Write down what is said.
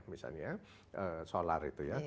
misalnya solar itu ya